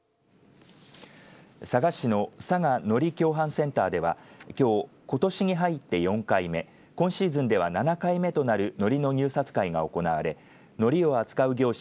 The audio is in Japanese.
佐賀市の佐賀海苔共販センターではきょう、ことしに入って４回目今シーズンでは７回目となるのりの入札会が行われのりを扱う業者